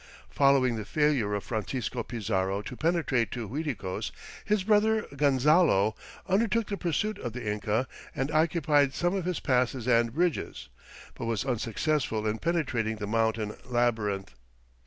Following the failure of Francisco Pizarro to penetrate to Uiticos, his brother, Gonzalo, "undertook the pursuit of the Inca and occupied some of his passes and bridges," but was unsuccessful in penetrating the mountain labyrinth.